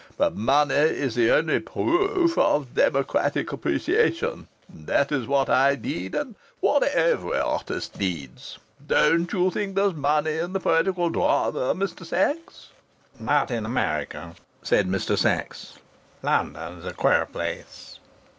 But money is the only proof of democratic appreciation, and that is what I need, and what every artist needs.... Don't you think there's money in the poetical drama, Mr. Sachs?" "Not in America," said Mr. Sachs. "London is a queer place."